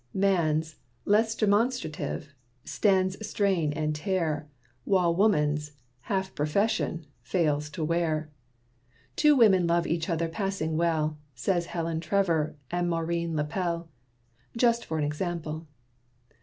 Man's, less demonstrative, stands strain and tear, While woman's, half profession, fails to wear. Two women love each other passing well Say Helen Trevor and Maurine La Pelle, Just for example.